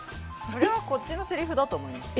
それはこっちのセリフだと思います。